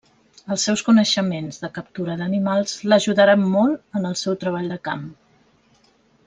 Els seus coneixements de captura d'animals l'ajudaren molt en el seu treball de camp.